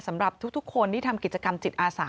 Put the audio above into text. สำหรับทุกคนที่ทำกิจกรรมจิตอาสา